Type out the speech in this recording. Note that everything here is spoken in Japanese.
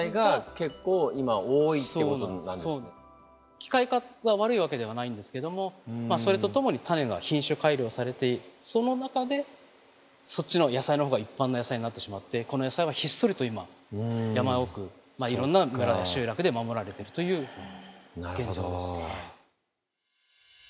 機械化が悪いわけではないんですけどもそれとともに種が品種改良されてその中でそっちの野菜の方が一般の野菜になってしまってこの野菜はひっそりと今山奥まあいろんな村や集落で守られてるという現状です。